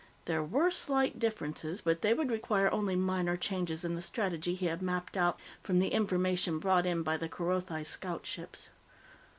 There were slight differences, but they would require only minor changes in the strategy he had mapped out from the information brought in by the Kerothi scout ships.